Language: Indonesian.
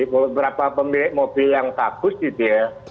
beberapa pemilik mobil yang bagus gitu ya